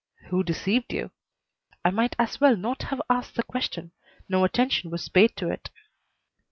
"Who deceived you?" I might as well not have asked the question. No attention was paid to it.